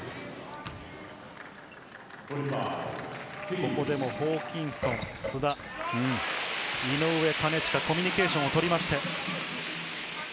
ここでもホーキンソン、須田、井上、金近、コミュニケーションを取って。